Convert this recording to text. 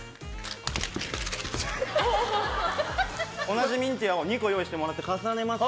同じミンティアを２個用意してもらって重ねます。